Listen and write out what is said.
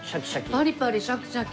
パリパリシャキシャキ。